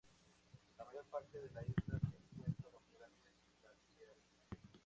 La mayor parte de la isla se encuentra bajo grandes glaciares.